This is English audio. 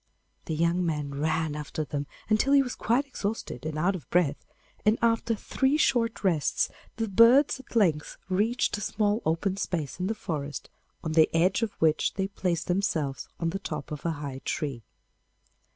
The young man ran after them until he was quite exhausted and out of breath, and after three short rests the birds at length reached a small open space in the forest, on the edge of which they placed themselves on the top of a high tree.